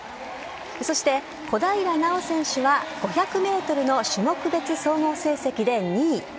そして、小平奈緒選手は、５００メートルの種目別総合成績で２位。